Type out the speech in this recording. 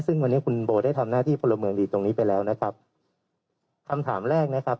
ซึ่งวันนี้คุณโบได้ทำหน้าที่พลเมืองดีตรงนี้ไปแล้วนะครับคำถามแรกนะครับ